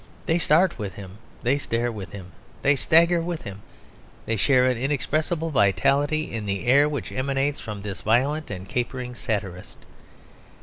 They start with him, they stare with him, they stagger with him, they share an inexpressible vitality in the air which emanates from this violent and capering satirist.